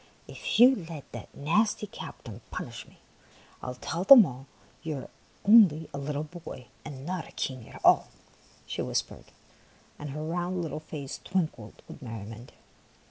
" If you let that nasty captain punish me, I '11 tell them all you are only a little boy and not a king at all," she whispered; and her round little face twinkled with merriment.